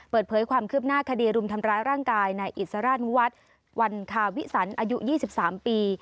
เปิดเผยความคืบหน้าคดีรุมทำร้ายร่างกายนายอิสราชนุวัฒน์วันคาวิสันอายุ๒๓ปี